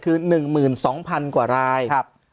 คือหนึ่งหมื่นสองพันกว่ารายครับ